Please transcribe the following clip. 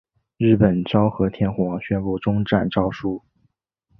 日本昭和天皇宣布终战诏书。